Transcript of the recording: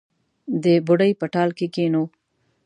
د بوډۍ په ټال کې کښېنو